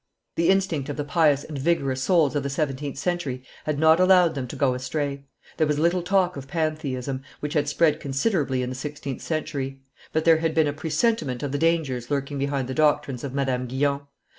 The instinct of the pious and vigorous souls of the seventeenth century had not allowed them to go astray: there was little talk of pantheism, which had spread considerably in the sixteenth century; but there had been a presentiment of the dangers lurking behind the doctrines of Madame Guyon.